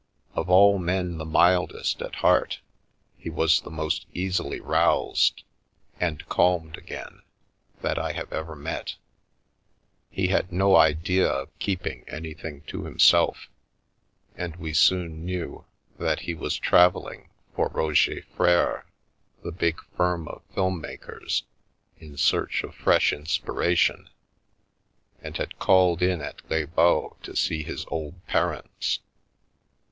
Of all men the mildest at heart, he was the most easily roused (and calmed again) that I have ever met He had no idea of keeping anything to himself, and we soon knew that he was travelling for Roget Freres, the big firm of film makers, in search of fresh inspiration, and had called in at Les Baux to see his old parents.